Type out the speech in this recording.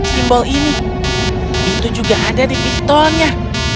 simbol ini itu juga ada di pistolnya